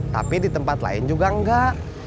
tapi di tempat lain juga enggak